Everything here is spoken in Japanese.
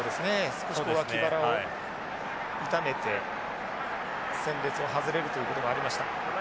少し脇腹を痛めて戦列を外れるということがありました。